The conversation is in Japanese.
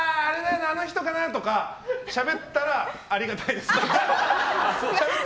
あの人かなとかしゃべったらありがたいです。